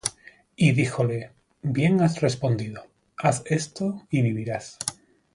Y díjole: Bien has respondido: haz esto, y vivirás.